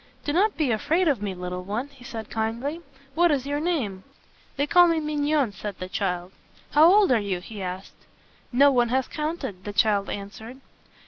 "Do not be afraid of me, little one," he said kindly. "What is your name?" "They call me Mignon," said the child. "How old are you?" he asked. "No one has counted," the child an swered.